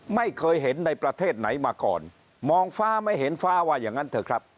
ไม่เคยเห็นในประเทศไหนมาก่อนมองฟ้าไม่เห็นฟ้าว่าอย่างนั้นเถอะครับ